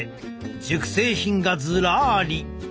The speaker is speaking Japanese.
熟成品がずらり！